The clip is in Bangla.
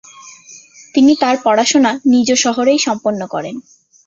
তিনি তার পড়াশোনা নিজ শহরেই সম্পন্ন করেন।